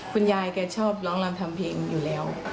คุณยายแกชอบร้องรำทำเพลงอยู่แล้ว